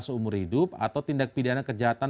seumur hidup atau tindak pidana kejahatan